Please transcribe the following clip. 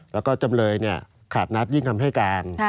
แล้วก็จำเลยขาดนับยิ่งคำให้การ